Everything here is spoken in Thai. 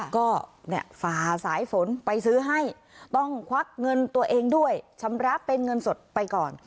ก็ฝ่าสายฝนไปซื้อให้ต้องควักเงินตัวเองด้วยชำระเป็นเงินสดไปก่อน